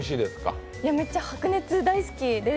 めっちゃ白熱、大好きです。